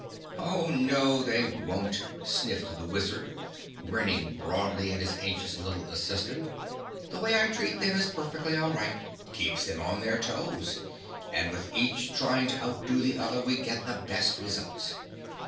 "Oh, no, they won't," sniffed the wizard, grinning broadly at his anxious little assistant. "The way I treat them is perfectly all right, keeps them on their toes, and with each trying to outdo the other we get the best results."